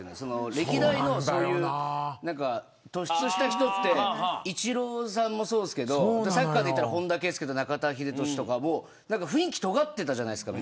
歴代の突出した人ってイチローさんもそうですけどサッカーで言ったら本田圭祐とか中田英寿とか雰囲気尖っていたじゃないですか。